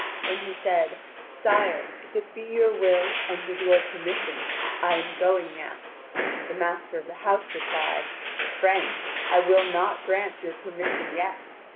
When he said: "Sire, if it be your will, and with your permission, I am going now," the master of the house replied: "Friend, I will not grant you permission yet.